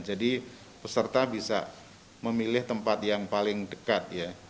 jadi peserta bisa memilih tempat yang paling dekat